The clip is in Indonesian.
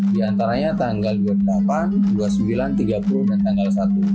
di antaranya tanggal dua puluh delapan dua puluh sembilan tiga puluh dan tanggal satu